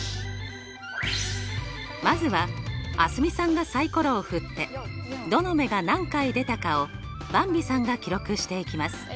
まずは蒼澄さんがサイコロを振ってどの目が何回出たかをばんびさんが記録していきます。